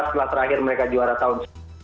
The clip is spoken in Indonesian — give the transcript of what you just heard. setelah terakhir mereka juara tahun dua ribu tiga